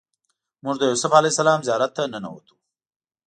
موږ د یوسف علیه السلام زیارت ته ننوتو.